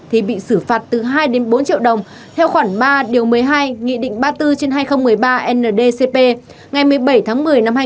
thì bị xử phạt từ hai bốn triệu đồng theo khoảng ba một mươi hai ba mươi bốn hai nghìn một mươi ba nldcp ngày một mươi bảy một mươi hai nghìn một mươi ba